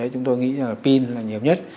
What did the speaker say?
chúng tôi nghĩ là pin là nhiều nhất